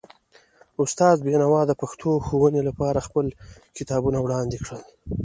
استاد بینوا د پښتو ښوونې لپاره خپل کتابونه وړاندې کړل.